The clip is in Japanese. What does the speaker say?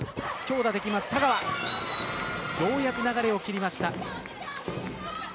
ようやく流れを切りました。